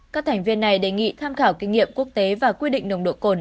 các thành viên này đề nghị tham khảo kinh nghiệm quốc tế và quy định nồng độ cồn